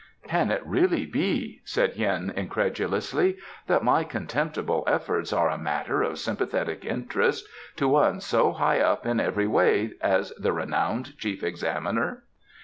"Can it really be," said Hien incredulously, "that my contemptible efforts are a matter of sympathetic interest to one so high up in every way as the renowned Chief Examiner?"